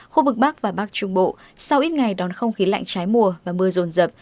khu vực bắc và bắc trung bộ sau ít ngày đón không khí lạnh trái mùa và mưa rồn rập